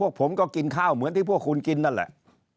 ผมก็กินข้าวเหมือนที่พวกคุณกินนั่นแหละ